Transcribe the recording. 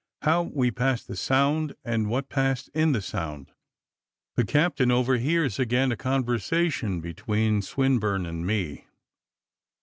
HOW WE PASSED THE SOUND, AND WHAT PASSED IN THE SOUND THE CAPTAIN OVERHEARS AGAIN A CONVERSATION BETWEEN SWINBURNE AND ME.